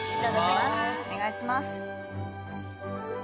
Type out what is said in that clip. お願いします。